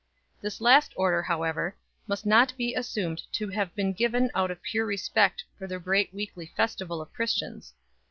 This last order, however, must not be assumed to have been given out of pure respect to the great weekly festival of Christians.